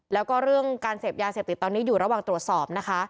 แล้วก็เรื่องการเสพยาเสพติดตอนนี้อยู่ระหว่างตรวจสอบนะคะ